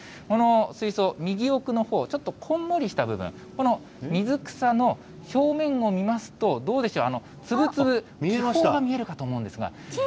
この水槽、右奥のほう、ちょっとこんもりした部分、この水草の表面を見ますと、どうでしょう、粒々、気泡が見えるかと思うんですが。